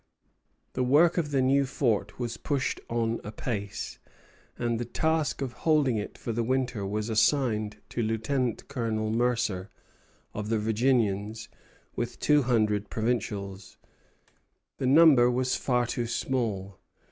1820). The work of the new fort was pushed on apace, and the task of holding it for the winter was assigned to Lieutenant Colonel Mercer, of the Virginians, with two hundred provincials. The number was far too small.